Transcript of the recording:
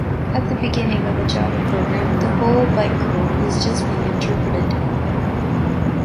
At the beginning of a Java-Program, the whole Bytecode is just being interpreted.